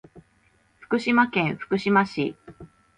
福島県福島市